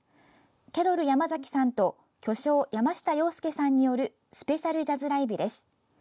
キャロル山崎さんと巨匠・山下洋輔さんによるスペシャルジャズライブです。